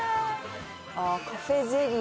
ああカフェゼリー？